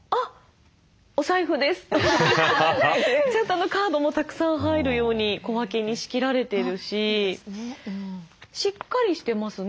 ちゃんとカードもたくさん入るように小分けに仕切られてるししっかりしてますね。